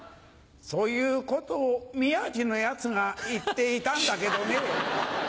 そういうことを宮治のヤツが言っていたんだけどねぇ。